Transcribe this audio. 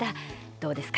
どうですか？